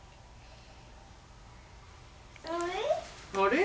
あれ？